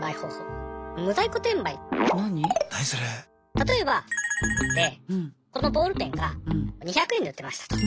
例えばでこのボールペンが２００円で売ってましたと。